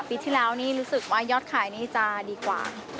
ปีที่แล้วนี่รู้สึกว่ายอดขายนี่จะดีกว่า